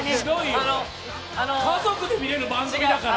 家族で見れる番組だから。